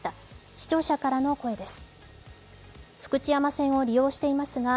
視聴者からの声です。